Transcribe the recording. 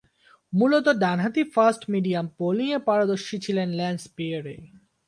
মূলতঃ ডানহাতি ফাস্ট-মিডিয়াম বোলিংয়ে পারদর্শী ছিলেন ল্যান্স পিয়েরে।